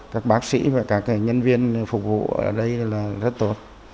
các bác sĩ và các nhân viên phục vụ ở đây là rất tốt